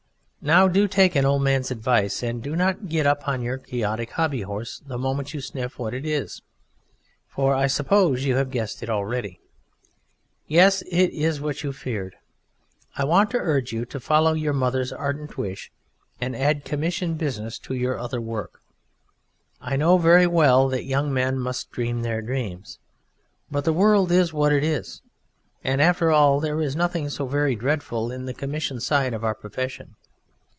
Now do take an old man's advice and do not get up upon your Quixotic hobby horse the moment you sniff what it is for I suppose you have guessed it already. Yes, it is what you feared: I want to urge you to follow your mother's ardent wish and add commission business to your other work. I know very well that young men must dream their dreams, but the world is what it is, and after all there is nothing so very dreadful in the commission side of our profession.